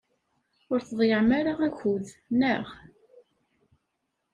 Ur tḍeyyɛem ara akud, naɣ?